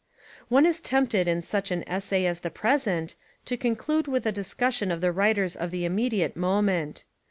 One is tempted in such an essay as the pres ent to conclude with a discussion of the writers of the immediate moment.